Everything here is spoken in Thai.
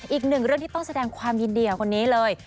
อีกหนึ่งเรื่องที่ต้องแสดงความยินดีกับคนนี้เลย